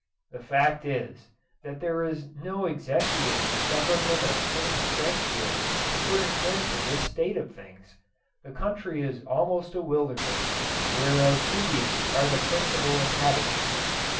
The fact is, that there is no executive government of any strength here to put an end to this state of things. The country is almost a wilderness, whereof Indians are the principal inhabitants.